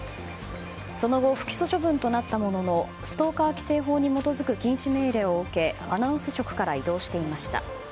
その後不起訴処分となったもののストーカー規制法に基づく禁止命令を受けアナウンス職から異動していました。